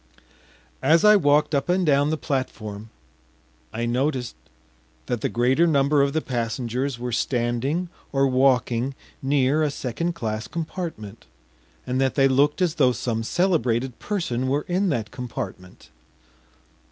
As I walked up and down the platform I noticed that the greater number of the passengers were standing or walking near a second class compartment, and that they looked as though some celebrated person were in that compartment.